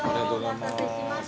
お待たせしました。